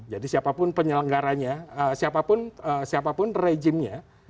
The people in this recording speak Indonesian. jadi siapapun penyelenggaranya siapapun regimnya